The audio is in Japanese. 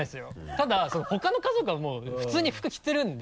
ただほかの家族は普通に服着てるんで。